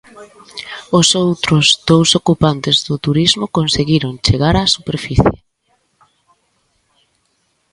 Os outros dous ocupantes do turismo conseguiron chegar á superficie.